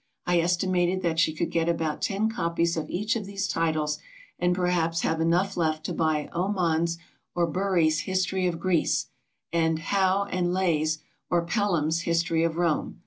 I estimated that she could get about ten copies of each of these titles, and perhaps have enough left to buy Oman's or Bury's "History of Greece," and How and Leigh's or Pelham's "History of Rome."